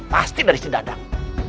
pasti dari si dadang